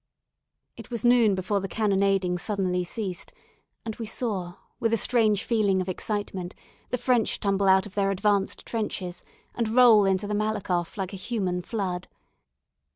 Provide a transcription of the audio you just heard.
It was noon before the cannonading suddenly ceased; and we saw, with a strange feeling of excitement, the French tumble out of their advanced trenches, and roll into the Malakhoff like a human flood.